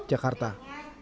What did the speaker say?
dia ingin berkali bersekolah